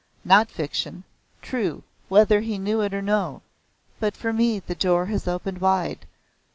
"Not fiction true, whether he knew it or no. But for me the door has opened wide.